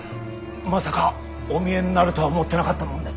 まさかお見えになるとは思ってなかったもんで。